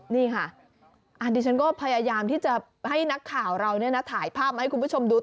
นี่ค่ะดิฉันก็พยายามที่จะให้นักข่าวเราถ่ายภาพมาให้คุณผู้ชมดู